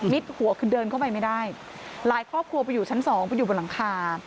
หัวคือเดินเข้าไปไม่ได้หลายครอบครัวไปอยู่ชั้นสองไปอยู่บนหลังคา